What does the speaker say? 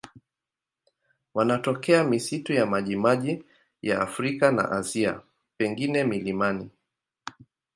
Wanatokea misitu ya majimaji ya Afrika na Asia, pengine milimani.